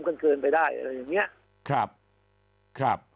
เกินไปได้อะไรอย่างนี้